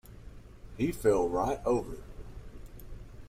He fell right over!